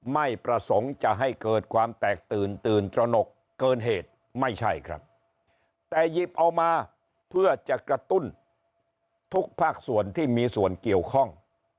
ไม่ประสงค์จะให้เกิดความแตกตื่นตื่นตระหนกเกินเหตุไม่ใช่ครับแต่หยิบเอามาเพื่อจะกระตุ้นทุกภาคส่วนที่มีส่วนเกี่ยวข้อง